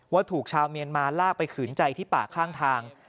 ว่าถูกชาวเมียนมาลากไปขืนใจที่ป่าข้างทาง